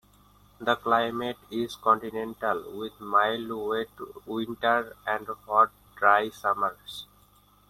The climate is continental, with mild wet winters and hot dry summers.